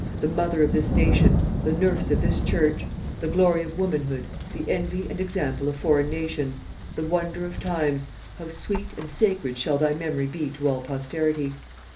the mother of this nation, the nurse of this church, the glory of womanhood, the envy and example of foreign nations, the wonder of times, how sweet and sacred shall thy memory be to all posterity!